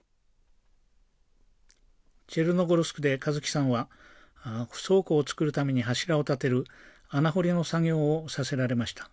チェルノゴルスクで香月さんは倉庫を作るために柱を立てる穴掘りの作業をさせられました。